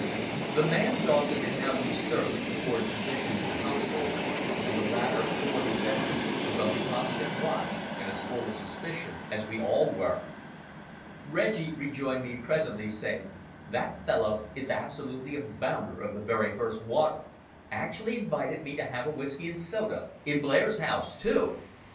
The man Dawson had now usurped Ford's position in the household, and the latter, full of resentment, was on the constant watch and as full of suspicion as we all were. Reggie rejoined me presently, saying, "That fellow is absolutely a bounder of the very first water. Actually invited me to have a whisky and soda in Blair's house, too!